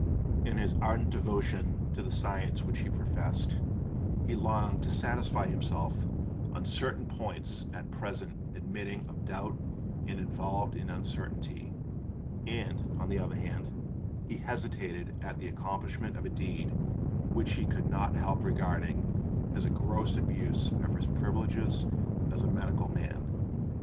In his ardent devotion to the science which he professed, he longed to satisfy himself on certain points at present admitting of doubt and involved in uncertainty: and, on the other hand, he hesitated at the accomplishment of a deed which he could not help regarding as a gross abuse of his privileges as a medical man.